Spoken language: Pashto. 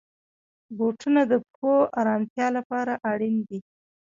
بوټونه د پښو آرامتیا لپاره اړین دي.